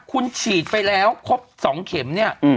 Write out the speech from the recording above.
คุณฉีดไปแล้วครบ๒เข็มเนี่ย